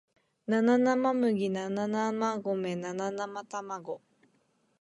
七生麦七生米七生卵